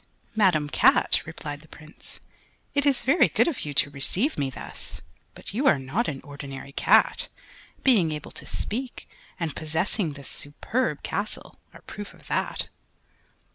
"Madame Cat," replied the Prince, "it is very good of you to receive me thus, but you are not an ordinary cat; being able to speak, and possessing this superb castle, are proof of that."